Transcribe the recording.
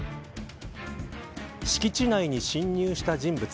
敷地内に侵入した人物。